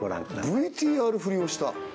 ＶＴＲ振りをした！